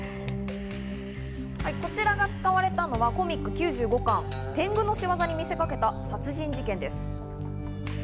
こちらが使われたのはコミック９５巻、天狗の仕業に見せかけた殺人事件です。